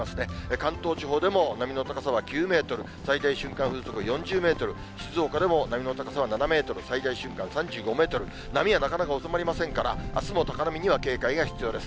関東地方でも波の高さは９メートル、最大瞬間風速４０メートル、静岡でも波の高さは７メートル、最大瞬間３５メートル、波はなかなか収まりませんから、あすも高波には警戒が必要です。